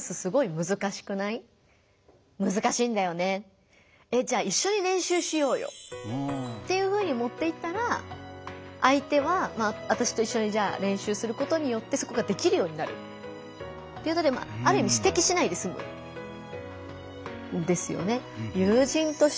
「むずかしいんだよね」。っていうふうに持っていったら相手は私と一緒にじゃあ練習することによってそこができるようになるということである意味指摘しないですむんですよね。